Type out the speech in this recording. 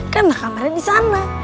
keren lah kameranya di sana